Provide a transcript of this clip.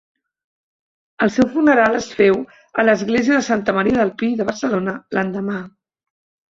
El seu funeral es féu a l'església de Santa Maria del Pi de Barcelona l'endemà.